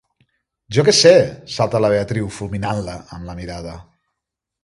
Jo què sé! –salta la Beatriu, fulminant-la amb la mirada–.